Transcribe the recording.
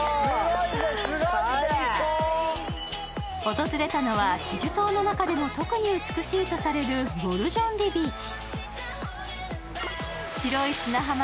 訪れたのはチェジュ島の中でも特に美しいとされるウォルジョンリビーチ。